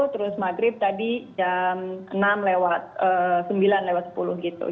terus maghrib tadi jam enam lewat sembilan lewat sepuluh gitu